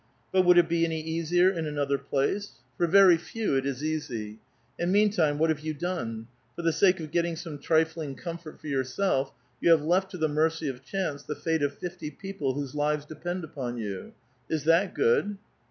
But would it be any easier in another place ? For very few it is easy I And nutontime, what have you done ? For tbe sake of getting some trifling comfort for yourself, you have left to the mercy of chance the fate of fifty people whose lives depend upon you. Is that good?"